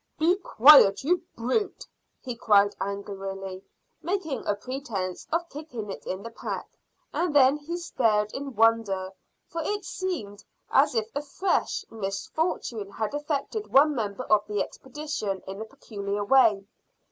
"Be quiet, you brute!" he cried angrily, making a pretence of kicking it in the pack; and then he stared in wonder, for it seemed as if a fresh misfortune had affected one member of the expedition in a peculiar way.